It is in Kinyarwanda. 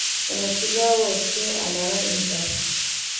umukiza wa bose amara inzara